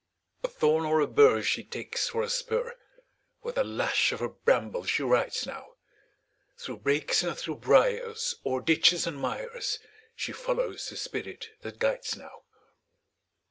A thorn or a bur She takes for a spur; With a lash of a bramble she rides now, Through brakes and through briars, O'er ditches and mires, She follows the spirit that guides now.